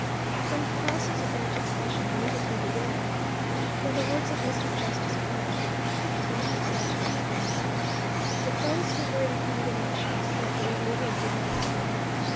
Then the process of agitation immediately began. In the words of Mr. Justice Harlan, fifteen years later: "But those who were in combinations that were illegal did not despair.